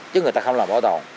chứ người ta không làm bảo tồn